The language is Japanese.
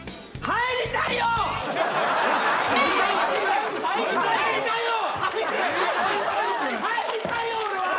入りたいよ俺は！